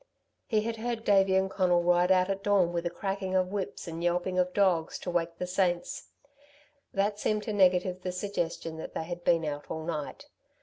He had heard Davey and Conal ride out at dawn with a cracking of whips and yelping of dogs to wake the saints. That seemed to negative the suggestion that they had been out all night.